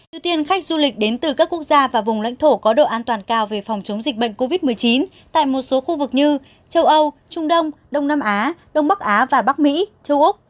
ưu tiên khách du lịch đến từ các quốc gia và vùng lãnh thổ có độ an toàn cao về phòng chống dịch bệnh covid một mươi chín tại một số khu vực như châu âu trung đông đông nam á đông bắc á và bắc mỹ châu úc